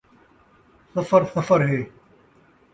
سفر سفر ہے